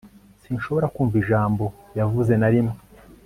sinshobora kumva ijambo yavuze na rimwe